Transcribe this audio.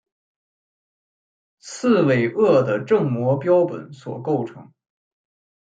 刺猬鳄的正模标本所构成。